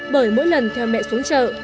bởi mỗi lần theo mẹ xuống chợ